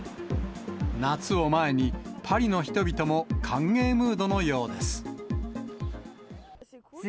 夏を前に、パリの人々も歓迎ムードのようです。